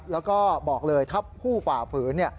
แล้วก็บอกเลยถ้าผู้ฝ่าฝืน